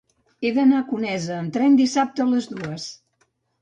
He d'anar a Conesa amb tren dissabte a les dues.